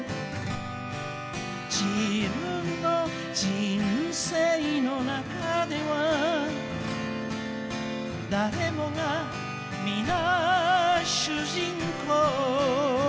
「自分の人生の中では誰もがみな主人公」